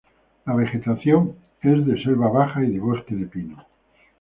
La vegetación es de selva baja y de bosque de pino.